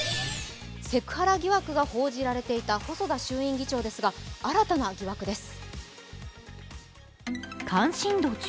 セクハラ疑惑が報じられていた細田衆院議長ですが、新たな疑惑です。